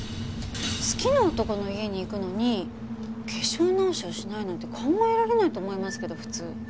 好きな男の家に行くのに化粧直しをしないなんて考えられないと思いますけど普通。